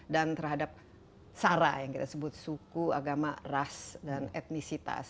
dan terhadap sara yang kita sebut suku agama ras dan etnisitas